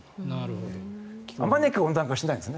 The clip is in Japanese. あまねく温暖化してないんです。